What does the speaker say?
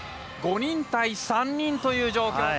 ５人対３人という状況。